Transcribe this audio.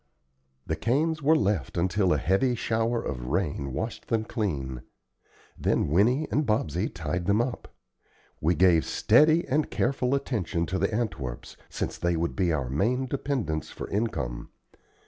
The canes were left until a heavy shower of rain washed them clean; then Winnie and Bobsey tied them up. We gave steady and careful attention to the Antwerps, since they would be our main dependence for income.